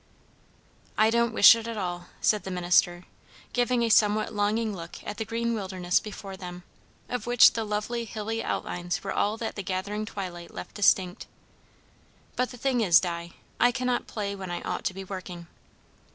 "I don't wish it at all," said the minister, giving a somewhat longing look at the green wilderness before them, of which the lovely hilly outlines were all that the gathering twilight left distinct. "But the thing is, Di, I cannot play when I ought to be working."